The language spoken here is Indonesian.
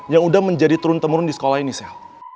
yang udah menjadi turun temurun di sekolah ini sel